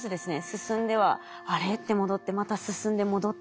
進んでは「あれ？」って戻ってまた進んで戻って。